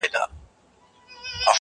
په شا کړی یې رنځور پلار لکه مړی؛